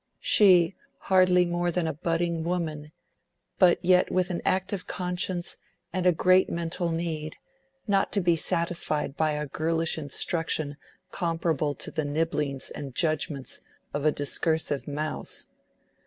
—she, hardly more than a budding woman, but yet with an active conscience and a great mental need, not to be satisfied by a girlish instruction comparable to the nibblings and judgments of a discursive mouse.